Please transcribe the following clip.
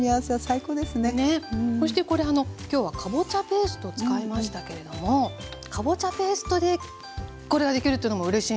そしてこれ今日はかぼちゃペーストを使いましたけれどもかぼちゃペーストでこれができるというのもうれしいですね